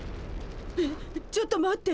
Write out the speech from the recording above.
えっちょっと待って。